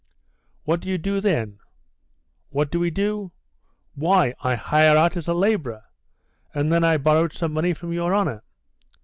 "What do you do then?" "What do we do? Why, I hire out as a labourer; and then I borrowed some money from your honour.